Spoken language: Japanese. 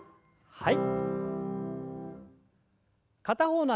はい。